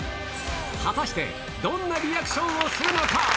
果たして、どんなリアクションをするのか？